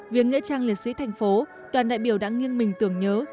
viếng nghĩa trang liệt sĩ thành phố đoàn đại biểu đã nghiêng mình tưởng nhớ